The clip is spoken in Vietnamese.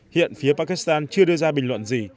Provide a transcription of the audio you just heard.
hiện phía pakistan chưa đưa ra bình luận gì